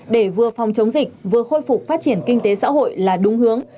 để vừa phòng chống dịch vừa khôi phục phát triển kinh tế xã hội là đúng hướng